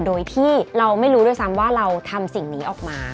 โดยที่เราไม่รู้ด้วยซ้ำว่าเราทำสิ่งนี้ออกมา